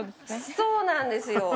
そうなんですよ。